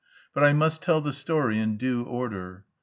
But I must tell the story in due order.